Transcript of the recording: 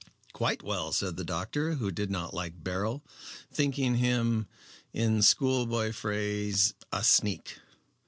"Quite well," said the doctor, who did not like Beryl, thinking him, in schoolboy phrase, "a sneak."